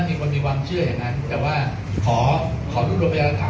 มีคนมีความเชื่ออย่างนั้นแต่ว่าขอขอรูดลงไปละถามนิดนะครับ